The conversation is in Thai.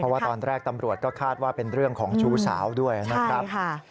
ว่าตอนแรกตำรวจก็คาดว่าเป็นเรื่องของชู้สาวด้วยนะครับ